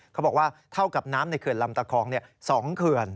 เขาบอกว่าเท่ากับน้ำในเขื่อนลำตะคอง๒เขื่อน